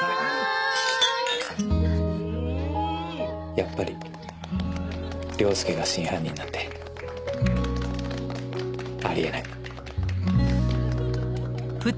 やっぱり凌介が真犯人なんてあり得ない。